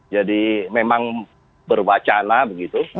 jadi memang berwacana begitu